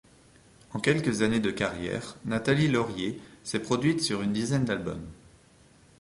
En quelques années de carrière, Nathalie Loriers s’est produite sur une dizaine d'albums.